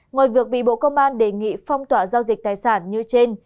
ngoài việc bị bộ công an đề nghị phong tỏa giao dịch tài sản như trên